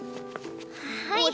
はい。